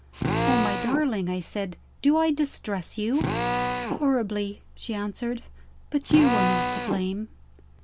"Oh, my darling," I said, "do I distress you?" "Horribly," she answered; "but you are not to blame."